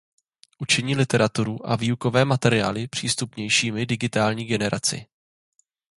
Učiní literaturu a výukové materiály přístupnějšími digitální generaci.